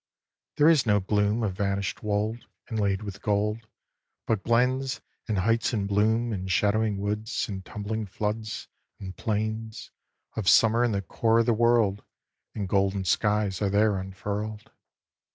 There is no gloom Of vanished wold, Inlaid with gold, But glens, And heights in bloom, And shadowing woods, And tumbling floods, And plains, Of Summer in the core of the world, And golden skies are there unfurled.